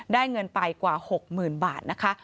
เงินไปกว่า๖๐๐๐บาทนะคะ